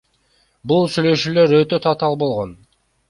Бул сүйлөшүүлөр өтө татаал болгон.